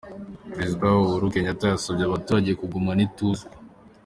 Perezida Uhuru Kenyatta yasabye abaturage kugumana ituze.